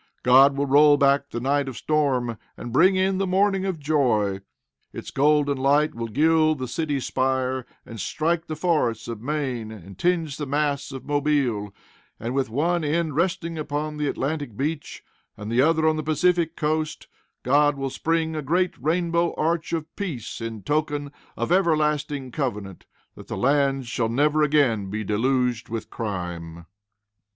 God will roll back the night of storm, and bring in the morning of joy. Its golden light will gild the city spire, and strike the forests of Maine, and tinge the masts of Mobile; and with one end resting upon the Atlantic beach and the other on the Pacific coast, God will spring a great rainbow arch of peace, in token of everlasting covenant that the land shall never again be deluged with crime.